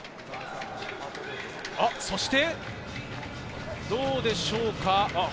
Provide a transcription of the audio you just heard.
おっ、そしてどうでしょうか？